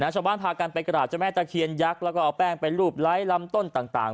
ชาวบ้านพากันไปกราบเจ้าแม่ตะเคียนยักษ์แล้วก็เอาแป้งไปรูปไร้ลำต้นต่าง